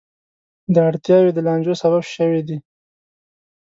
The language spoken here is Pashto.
دا اړتیاوې د لانجو سبب شوې دي.